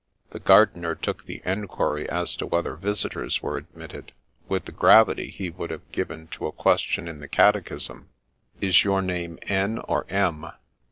The gardener took the enquiry as to whether visitors were admitted, with the gravity he would have given to a question in the catechism : Is your name N. or M.